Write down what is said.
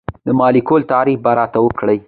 د مالیکول تعریف به راته وکړئ.